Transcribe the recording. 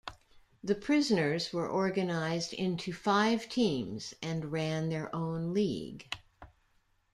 The prisoners were organised into five teams and ran their own league.